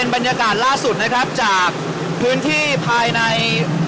บรรยากาศล่าสุดจากพื้นที่ภายใน